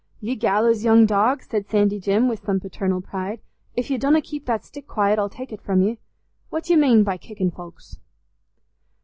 "Ye gallows young dog," said Sandy Jim, with some paternal pride, "if ye donna keep that stick quiet, I'll tek it from ye. What dy'e mane by kickin' foulks?"